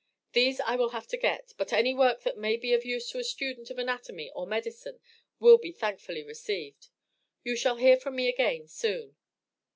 These I will have to get, but any work that may be of use to a student of anatomy or medicine will be thankfully received. You shall hear from me again soon.